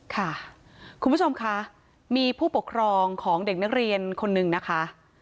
ค่ะคุณผู้ชมค่ะมีผู้ปกครองของเด็กนักเรียนคนหนึ่งนะคะ